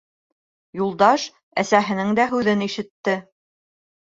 Юлдаш әсәһенең дә һүҙен ишетте.